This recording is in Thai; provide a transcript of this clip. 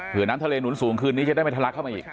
เพื่อน้ำทะเลหนุนสูงคืนนี้จะได้ไม่ทะลักเข้ามาอีก